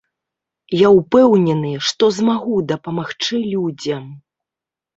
Я ўпэўнены, што змагу дапамагчы людзям.